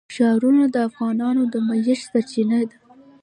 ښارونه د افغانانو د معیشت سرچینه ده.